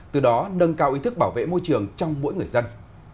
từ đó nâng cao ý thức bảo vệ môi trường trong mỗi người dân